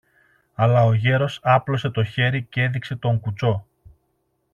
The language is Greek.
Αλλά ο γέρος άπλωσε το χέρι κι έδειξε τον κουτσό.